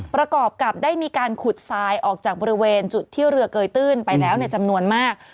ประกอบกับได้มีการขุดทรายออกจากบริเวณจุดที่เรือเกยตื้นไปแล้วในจำนวนมาก